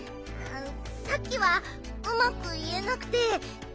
さっきはうまくいえなくてごめんね。